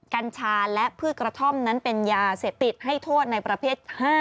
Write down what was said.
กัญชาและพืชกระท่อมนั้นเป็นยาเสพติดให้โทษในประเภท๕